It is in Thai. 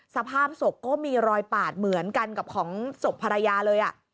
สภาพศพก็มีรอยปาดเหมือนกันกับของศพภรรยาเลย